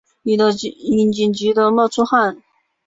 已经急的冒出汗